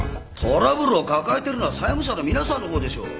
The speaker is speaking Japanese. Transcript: トラブルを抱えてるのは債務者の皆さんのほうでしょう。